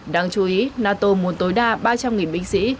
đáng chú ý nato muốn tối đa ba trăm linh binh sĩ